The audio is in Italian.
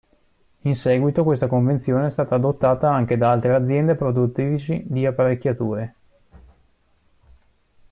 In seguito questa convenzione è stata adottata anche da altre aziende produttrici di apparecchiature.